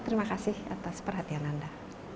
terima kasih atas perhatian anda